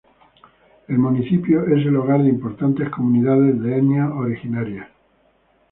El municipio es el hogar de importantes comunidades de etnias originarias.